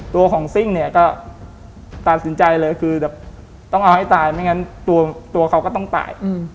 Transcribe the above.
ตัวของซิ่งเนี่ยก็ตัดสินใจเลยคือแบบต้องเอาให้ตายไม่งั้นตัวเขาก็ต้องตาย